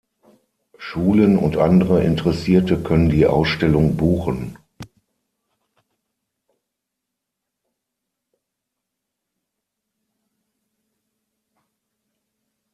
Schulen und andere Interessierte können die Ausstellung buchen.